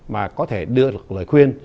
mà có thể đưa lời khuyên